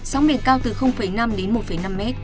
sóng biển cao từ năm đến một năm m